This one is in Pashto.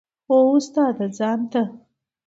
هو استاده ځان ته.